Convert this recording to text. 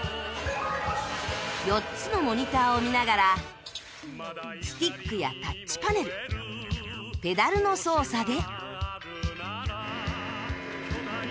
４つのモニターを見ながらスティックやタッチパネルペダルの操作で